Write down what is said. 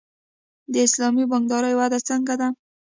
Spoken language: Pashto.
د اسلامي بانکدارۍ وده څنګه ده؟